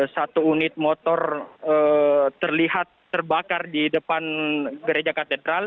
satu unit motor terlihat terbakar di depan gereja katedral